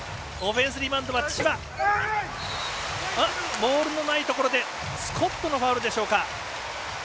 ボールのないところでスコットのファウルでしょうか。